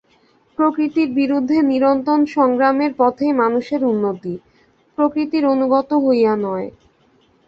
প্রকৃতির বিরুদ্ধে নিরন্তর সংগ্রামের পথেই মানুষের উন্নতি, প্রকৃতির অনুগত হইয়া নয়।